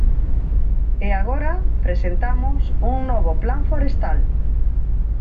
E agora presentamos un novo Plan forestal.